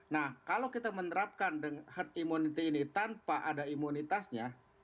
nah kalau kita menerapkan herd immunity ini tanpa ada imunitasnya